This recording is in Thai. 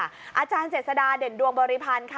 อาจารย์เจษฎาเด่นดวงบริพันธ์ค่ะ